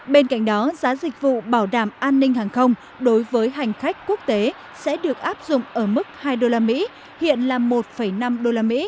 bên cạnh đó giá dịch vụ bảo đảm an ninh hàng không đối với hành khách quốc tế sẽ được áp dụng ở mức hai usd hiện là một năm usd